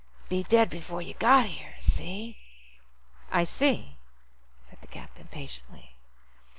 Be dead before you got here. See?" "I see," said the captain patiently.